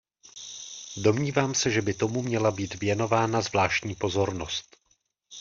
Domnívám se, že by tomu měla být věnována zvláštní pozornost.